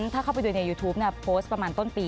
ถ้าเข้าไปดูในยูทูปโพสต์ประมาณต้นปี